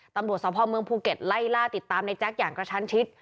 ตำรวจสภเมืองภูเก็ตไล่ล่าติดตามในแจ๊คอย่างกระชั้นชิด